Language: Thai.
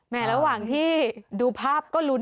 ระหว่างที่ดูภาพก็ลุ้น